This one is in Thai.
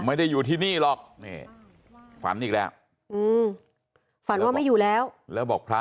ไม่ได้อยู่ที่นี่หรอกฝันอีกแล้ว